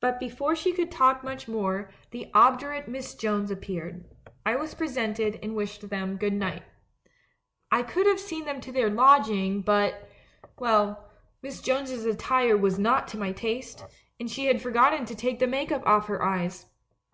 "But before she could talk much more, the 190 THE MAN WHO UNDERSTOOD ^WOMEN obdurate Miss Jones appeared. I was preseiited, and wished them 'Good night.' I could have seen them to their lodging, but — well, Miss Jones's attire was not to my taste, and she had forgotten to take the make up off her eyes.